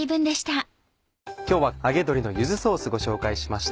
今日は『揚げ鶏の柚子ソース』ご紹介しました。